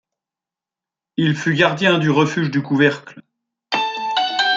Il fut gardien du refuge du couvercle.